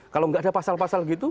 kalau nggak ada pasal pasal gitu